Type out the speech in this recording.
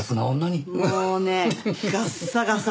もうねガッサガサ！